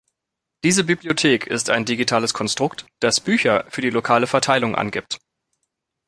Diese Bibliothek ist ein digitales Konstrukt, das Bücher für die lokale Verteilung angibt.